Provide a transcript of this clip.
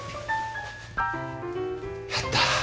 やった。